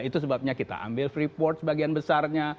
itu sebabnya kita ambil free port bagian besarnya